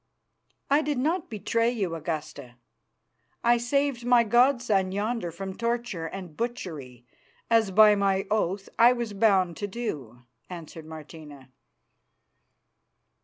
"I did not betray you, Augusta. I saved my god son yonder from torture and butchery, as by my oath I was bound to do," answered Martina.